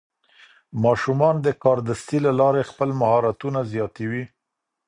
ماشومان د کاردستي له لارې خپل مهارتونه زیاتوي.